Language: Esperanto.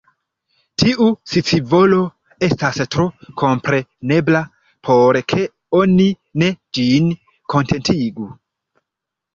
Tiu scivolo estas tro komprenebla, por ke oni ne ĝin kontentigu.